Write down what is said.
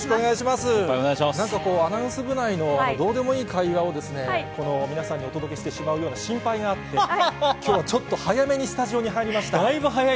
アナウンス部内のどうでもいい会話を皆さんにお届けしてしまうような心配があって今日は早めにスタジオに入りました。